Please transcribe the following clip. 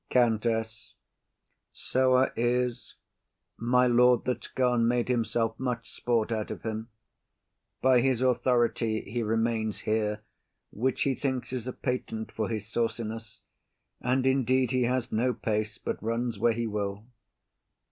COUNTESS. So he is. My lord that's gone made himself much sport out of him; by his authority he remains here, which he thinks is a patent for his sauciness; and indeed he has no pace, but runs where he will.